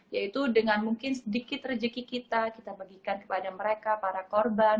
yaitu dengan mungkin sedikit rezeki kita kita bagikan kepada mereka para korban